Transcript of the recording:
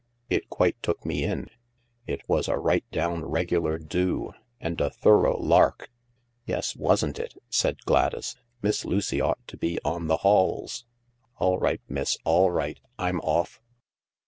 It quite took me in. It was a right down regular do. And a thorough lark." " Yes, wasn't it ?" said Gladys. " Miss Lucy ought to be on the halls. All right, miss— all right, I'm off.